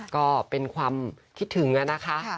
ก็เป็นความคิดถึงนะคะ